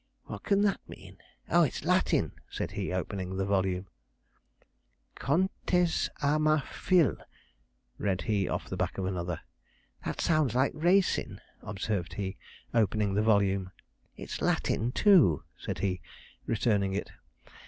'What can that mean! Ah, it's Latin,' said he, opening the volume. Contes à ma Fille, read he off the back of another. 'That sounds like racin',' observed he, opening the volume, 'it's Latin too,' said he, returning it.